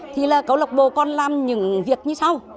thì là câu lạc bộ còn làm những việc như sau